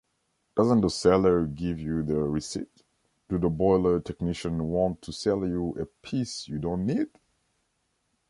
Doesn’t the seller give you the receipt, do the boiler technician want to sell you a piece you don’t need?